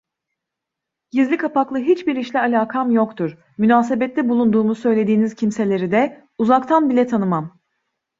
Gizli kapaklı hiçbir işle alakam yoktur, münasebette bulunduğumu söylediğiniz kimseleri de, uzaktan bile tanımam.